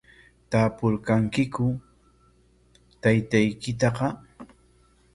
¿Tapurqankiku taytaykitaqa?